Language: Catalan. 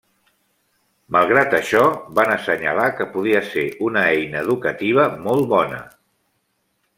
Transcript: Malgrat això, van assenyalar que podia ser una eina educativa molt bona.